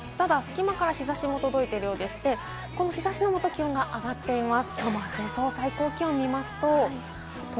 隙間から日差しが届いていまして、この日差しのもと、気温が上がっています。